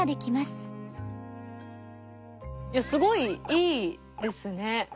いやすごいいいですね。